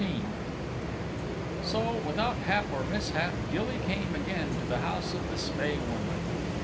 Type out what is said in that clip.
XIV So, without hap or mishap, Gilly came again to the house of the Spae Woman.